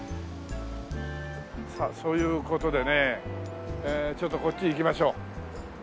さあそういう事でねちょっとこっち行きましょう。